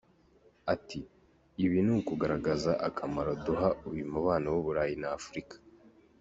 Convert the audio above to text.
Ati “Ibi ni ukugaragaza akamaro duha uyu mubano w’u Burayi na Afurika.